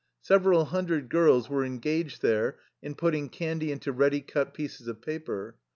'' Several hundred girls were engaged there in putting candy into ready cut pieces of paper.